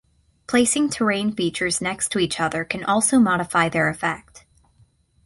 Placing terrain features next to each other can also modify their effect.